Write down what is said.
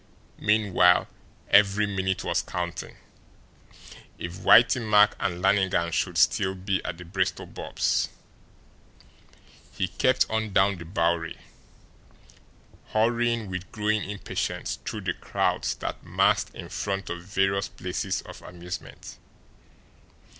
Meanwhile, every minute was counting, if Whitey Mack and Lannigan should still be at Bristol Bob's. He kept on down the Bowery, hurrying with growing impatience through the crowds that massed in front of various places of amusement.